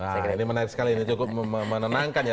nah ini menarik sekali ini cukup menenangkan ya